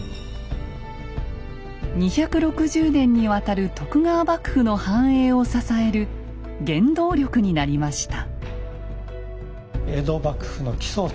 ２６０年にわたる徳川幕府の繁栄を支える原動力になりました。